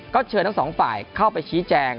ก็เชิญทั้งสองฝ่ายเข้าไปชี้แจง